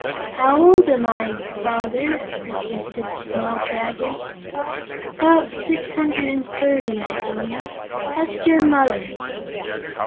"How old am I, Father?" persisted the small Dragon. "About six hundred and thirty, I believe. Ask your mother."